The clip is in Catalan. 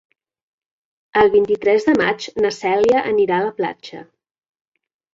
El vint-i-tres de maig na Cèlia anirà a la platja.